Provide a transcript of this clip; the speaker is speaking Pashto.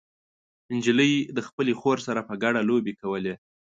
نجلۍ د خپلې خور سره په ګډه لوبې کولې.